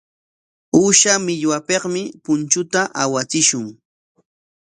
Uusha millwapikmi punchuta awachishun.